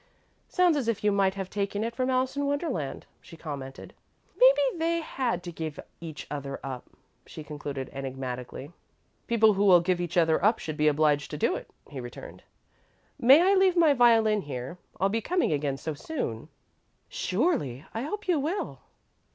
"Sounds as if you might have taken it from Alice in Wonderland," she commented. "Maybe they've had to give each other up," she concluded, enigmatically. "People who will give each other up should be obliged to do it," he returned. "May I leave my violin here? I'll be coming again so soon." "Surely. I hope you will."